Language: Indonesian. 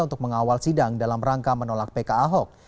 untuk mengawal sidang dalam rangka menolak pk ahok